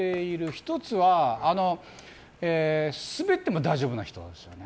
１つはスベっても大丈夫な人ですね。